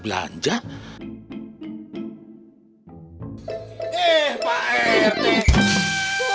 perlu ke tempat